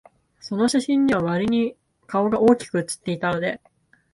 その写真には、わりに顔が大きく写っていたので、